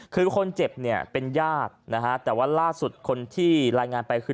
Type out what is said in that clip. คือคนเจ็บเนี่ยเป็นญาตินะฮะแต่ว่าล่าสุดคนที่รายงานไปคือ